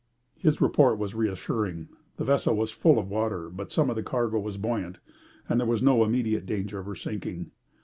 His report was reassuring. The vessel was full of water, but some of the cargo was buoyant, and there was no immediate danger of her sinking.